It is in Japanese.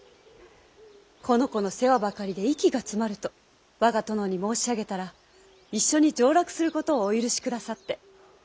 この子の世話ばかりで息が詰まると我が殿に申し上げたら一緒に上洛することをお許しくださって。